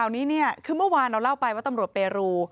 เมื่อวานเราเล่าไปว่าตัมรัวเปลู